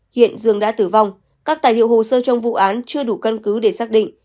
hiện dương đã tử vong các tài liệu hồ sơ trong vụ án chưa đủ căn cứ để xác định